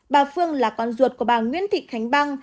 bà phương là con ruột của bà nguyễn thị khánh băng